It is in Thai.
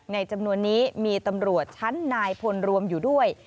จำนวนนี้มีตำรวจชั้นนายพลรวมอยู่ด้วย